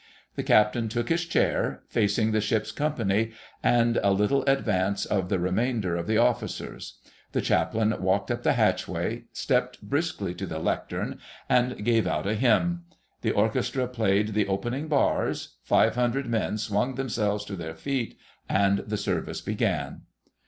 The Captain took his chair, facing the Ship's Company, and a little in advance of the remainder of the Officers; the Chaplain walked up the hatchway, stepped briskly to the lectern and gave out a hymn. The orchestra played the opening bars, five hundred men swung themselves to their feet, and the service began.